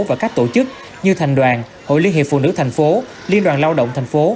và các tổ chức như thành đoàn hội liên hiệp phụ nữ thành phố liên đoàn lao động thành phố